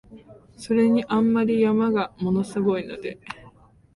それに、あんまり山が物凄いので、